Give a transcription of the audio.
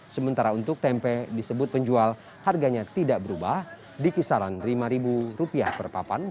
sementara untuk tempe disebut penjual harganya tidak berubah di kisaran rp lima per papan